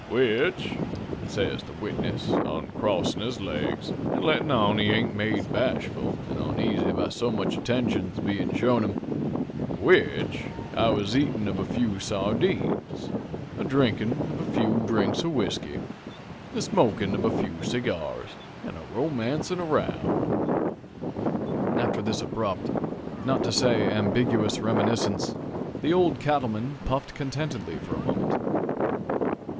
"'Which,' says the witness, oncrossin' his laigs an' lettin' on he ain't made bashful an' oneasy by so much attentions bein' shown him, 'which I was a eatin' of a few sardines, a drinkin' of a few drinks of whiskey, a smokin' of a few seegyars, an' a romancin' 'round.'" After this abrupt, not to say ambiguous reminiscence, the Old Cattleman puffed contentedly a moment.